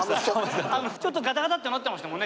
ちょっとガタガタッてなってましたもんね。